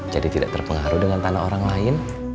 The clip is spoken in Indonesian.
tidak terpengaruh dengan tanah orang lain